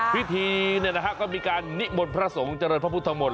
พิธีก็มีการนิมนต์พระสงฆ์เจริญพระพุทธมนต